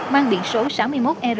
mang điện số sáu mươi một er một